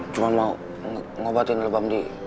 cuma mau ngobatin lebam di